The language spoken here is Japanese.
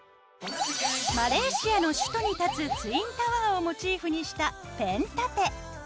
マレーシアの首都に立つツインタワーをモチーフにしたペン立て。